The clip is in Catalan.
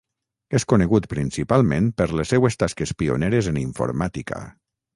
És conegut principalment per les seues tasques pioneres en informàtica.